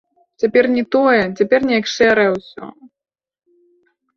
Цяпер не тое, цяпер неяк шэрае ўсё.